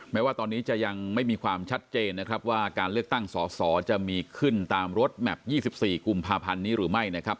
แม้ว่าตอนนี้จะยังไม่มีความชัดเจนนะครับว่าการเลือกตั้งสอสอจะมีขึ้นตามรถแมพ๒๔กุมภาพันธ์นี้หรือไม่นะครับ